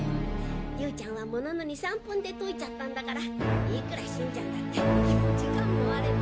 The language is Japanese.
優ちゃんはものの２３分で解いちゃったんだからいくら新ちゃんだって４時間もあれば。